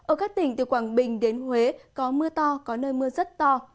ở các tỉnh từ quảng bình đến huế có mưa to có nơi mưa rất to